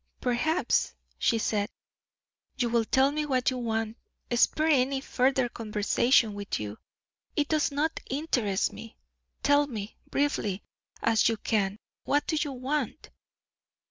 "Perhaps," she said, "you will tell me what you want. Spare me any further conversation with you; it does not interest me. Tell me, briefly as you can, what you want."